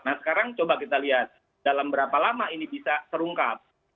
nah sekarang coba kita lihat dalam berapa lama ini bisa terungkap